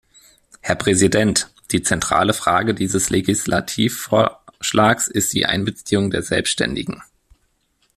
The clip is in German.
Herr Präsident! Die zentrale Frage dieses Legislativvorschlags ist die Einbeziehung der Selbständigen.